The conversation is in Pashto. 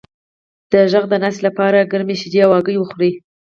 د غږ د ناستې لپاره ګرمې شیدې او هګۍ وخورئ